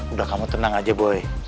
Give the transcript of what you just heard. udah kamu tenang aja boy